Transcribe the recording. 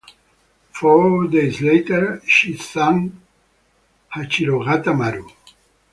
Four days later, she sank "Hachirogata Maru".